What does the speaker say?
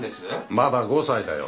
まだ５歳だよ